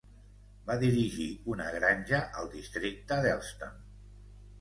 Va dirigir una granja al districte d'Helston.